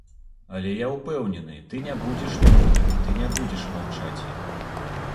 Але я ўпэўнены, ты ня будзеш нямой, ты ня будзеш маўчаці.